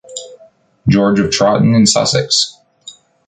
George of Trotton in Sussex.